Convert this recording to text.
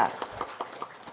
sudah seperti begini kita